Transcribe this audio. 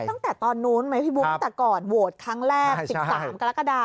ตั้งแต่ตอนนู้นไหมพี่บุ๊คแต่ก่อนโหวตครั้งแรก๑๓กรกฎา